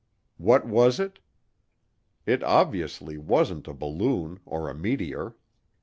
What was it? It obviously wasn't a balloon or a meteor.